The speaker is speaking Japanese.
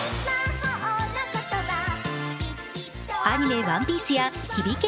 アニメ「ＯＮＥＰＩＥＣＥ」や「響け！